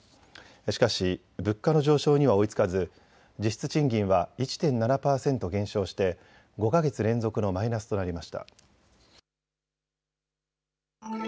しかし物価の上昇には追いつかず実質賃金は１．７％減少して５か月連続のマイナスとなりました。